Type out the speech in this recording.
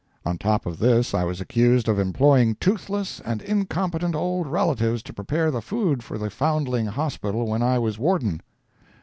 On top of this I was accused of employing toothless and incompetent old relatives to prepare the food for the foundling hospital when I was warden.